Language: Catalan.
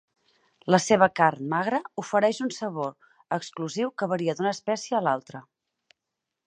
La seva carn magra ofereix un sabor exclusiu que varia d'una espècie a l'altre.